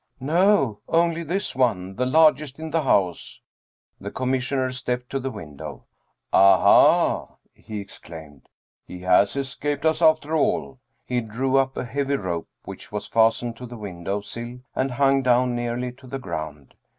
No, only this one, the largest in the house." The Commissioner stepped to the window. " Aha !" he exclaimed, " he has escaped us after all." He drew up a heavy rope which was fastened to the window sill and hung down nearly to the ground.